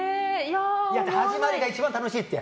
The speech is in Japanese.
始まりが一番楽しいって。